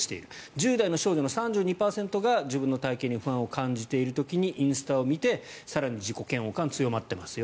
１０代の少女の３２％が自分の体形に不安を感じている時にインスタを見て更に自己嫌悪感が強まっていますよ